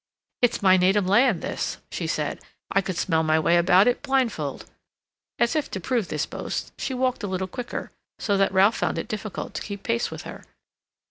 "It's my native land, this," she said. "I could smell my way about it blindfold." As if to prove this boast, she walked a little quicker, so that Ralph found it difficult to keep pace with her.